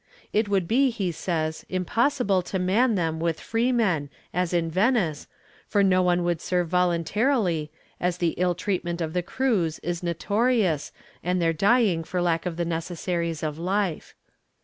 It would be, he says, impossible to man them with free men, as in Venice, for no one would serve voluntarily, as the ill treatment of the crews is notorious and their dying for lack of the necessaries of life.